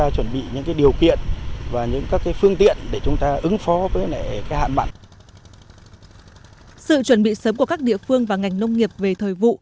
sự chuẩn bị sớm của các địa phương và ngành nông nghiệp về thời vụ